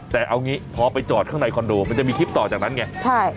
แต่เอางี้พอไปจอดข้างในคอนโดมันจะมีคลิปต่อจากนั้นไงใช่